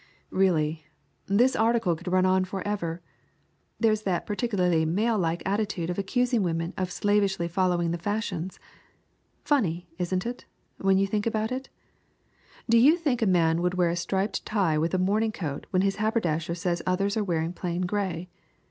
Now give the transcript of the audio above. Really, this article could run on forever. There's that particularly manlike attitude of accusing women of slavishly following the fashions! Funny, isn't it, when you think about it? Do you think a man would wear a striped tie with a morning coat when his haberdasher says others are wearing plain gray?